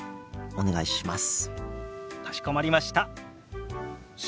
お願いします。